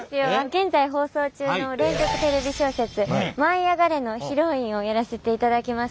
現在放送中の連続テレビ小説「舞いあがれ！」のヒロインをやらせていただきます